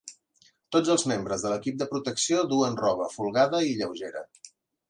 Tots els membres de l'equip de protecció duen roba folgada i lleugera.